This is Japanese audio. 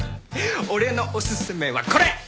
俺のお薦めはこれ！